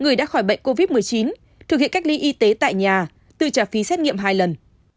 người đã khỏi bệnh covid một mươi chín thực hiện cách ly y tế tại nhà từ trả phí xét nghiệm hai lần